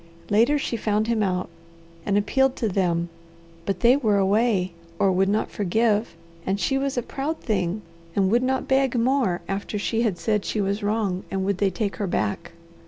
Later she found him out, and appealed to them, but they were away or would not forgive, and she was a proud thing, and would not beg more after she had said she was wrong, and would they take her back.